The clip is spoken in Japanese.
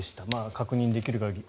確認できる限り